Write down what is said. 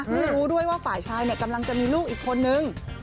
ไม่รู้ด้วยว่าฝ่ายชายกำลังจะมีลูกอีกคนนึง